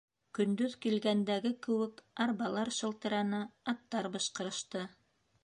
Көндөҙ килгәндәге кеүек, арбалар шылтыраны, аттар бышҡырышты.